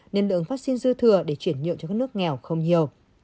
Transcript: nên lượng vaccine dư thừa để chuyển nhượng cho các nước nghèo không nhiều